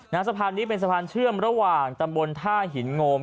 สะพานนี้เป็นสะพานเชื่อมระหว่างตำบลท่าหินโงม